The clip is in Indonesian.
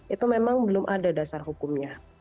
itu memang belum ada dasar hukumnya